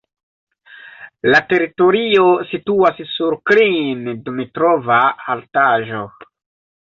La teritorio situas sur Klin-Dmitrova altaĵo.